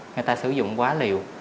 người ta sử dụng quá liều